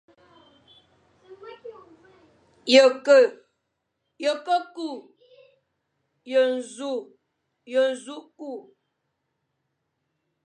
Ye ke, ye ke kü, ye nẑu kü,